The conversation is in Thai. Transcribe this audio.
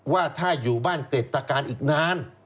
ว่าถ้าอยู่บ้านเกร็ดตะการอีกนาน